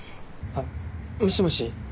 あっもしもし。